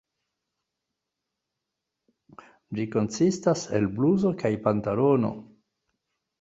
Ĝi konsistas el bluzo kaj pantalono.